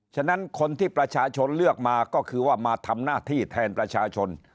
ฉะนั้นคนที่ประชาชนเลือกมาก็คือว่ามาทำหน้าที่แทนประชาชน